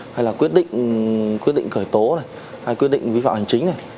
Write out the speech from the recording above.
hay là quyết định cởi tố hay quyết định vi phạm hành chính này